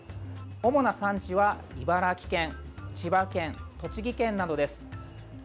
主な産地は茨城県、千葉県、栃木県などです。